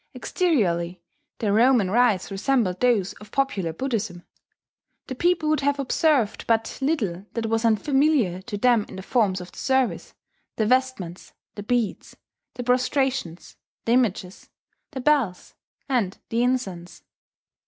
Exteriorly the Roman rites resembled those of popular Buddhism: the people would have observed but little that was unfamiliar to them in the forms of the service, the vestments, the beads, the prostrations, the images, the bells, and the incense.